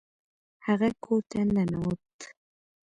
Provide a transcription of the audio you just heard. هغه کور ته ننوت.